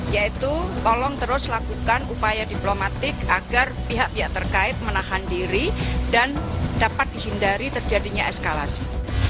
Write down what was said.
yaitu tolong terus lakukan upaya diplomatik agar pihak pihak terkait menahan diri dan dapat dihindari terjadinya eskalasi